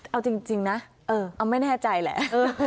เอาจริงนะเอาไม่แน่ใจแหละ